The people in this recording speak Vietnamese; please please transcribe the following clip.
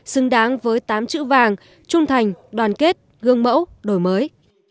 xứng đáng với tám chữ vàng trung thành đoàn kết gương mẫu đổi mới